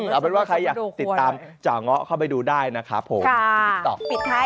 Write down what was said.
เอาเป็นว่าใครอยากติดตามจ่างเงาะเข้าไปดูได้นะครับ